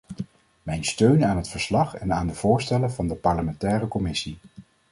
Mijn steun aan het verslag en aan de voorstellen van de parlementaire commissie.